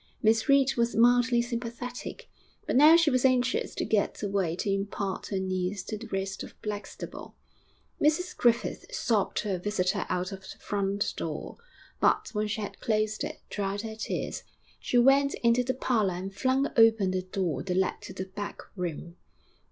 Miss Reed was mildly sympathetic; but now she was anxious to get away to impart her news to the rest of Blackstable. Mrs Griffith sobbed her visitor out of the front door, but, when she had closed it, dried her tears. She went into the parlour and flung open the door that led to the back room.